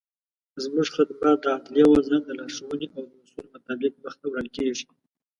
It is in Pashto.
زموږخدمات دعدلیي وزارت دلارښووني او داصولو مطابق مخته وړل کیږي.